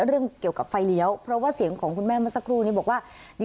เรื่องเกี่ยวกับไฟเลี้ยวเพราะว่าเสียงของคุณแม่เมื่อสักครู่นี้บอกว่า